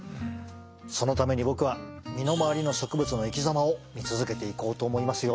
そのために僕は身のまわりの植物の生き様を見続けていこうと思いますよ。